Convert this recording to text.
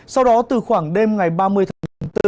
sau đó từ khoảng đêm ngày ba mươi tháng bốn